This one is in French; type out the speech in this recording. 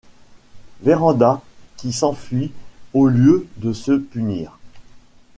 Vérand'a qui s'enfuit au lieu de se punir.